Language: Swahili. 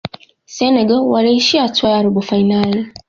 senegal waliishia hatua ya robo fainali